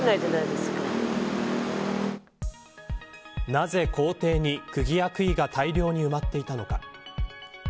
なぜ校庭に、くぎやくいが大量に埋まっていたのか。